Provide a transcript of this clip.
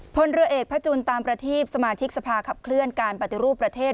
พลเรือเอกพระจุลตามประทีปสมาชิกสภาขับเคลื่อนการปฏิรูปประเทศ